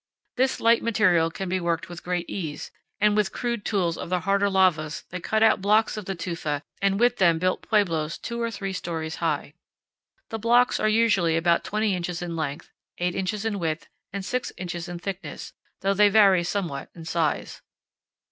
This light material can be worked with great ease, and with crude tools of the 56 CANYONS OF THE COLORADO. harder lavas they cut out blocks of the tufa and with them built pueblos two or three stories high. The blocks are usually about twenty inches in length, eight inches in width, and six inches in thickness, though they vary somewhat in size.